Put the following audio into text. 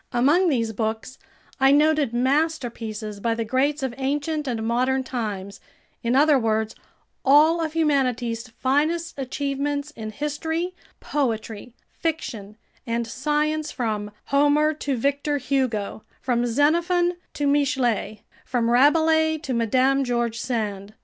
Among these books I noted masterpieces by the greats of ancient and modern times, in other words, all of humanity's finest achievements in history, poetry, fiction, and science, from Homer to Victor Hugo, from Xenophon to Michelet, from Rabelais to Madame George Sand.